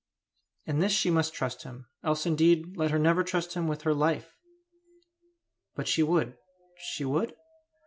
In this she must trust him, else indeed let her never trust him with her life! But she would she would?